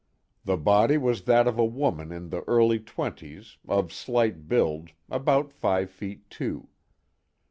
The body was that of a woman in the early twenties, of slight build, about five feet two.